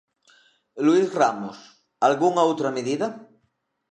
Luís Ramos, algunha outra medida?